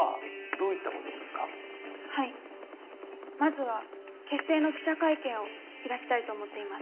まずは結成の記者会見を開きたいと思っています。